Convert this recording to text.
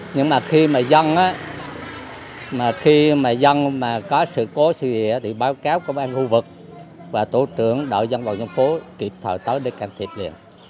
nhưng mà khi mà dân có sự cố thì báo cáo công an khu vực và tổ trưởng đội dân bộ dân phố kịp thời tới để can thiệp liền